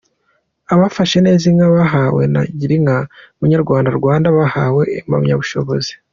Abafashe neza inka bahawe na Girinka Munyarwanda Rwanda, bahawe impamyabushobozi